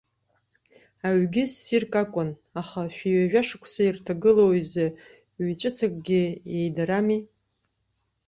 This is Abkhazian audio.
Аҩгьы ссирк акәын, аха шәи ҩажәа шықәса ирҭагылоу изы ҩаҵәцакгьы еидарами.